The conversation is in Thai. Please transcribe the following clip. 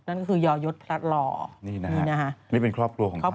นั่นคือยอยศพลัดหล่อนี่นะฮะนี่เป็นครอบครัวของท่านค่ะ